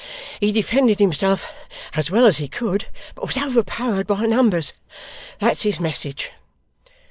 He defended himself as well as he could, but was overpowered by numbers. That's his message.